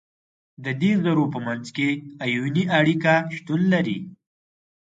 د دې ذرو په منځ کې آیوني اړیکه شتون لري.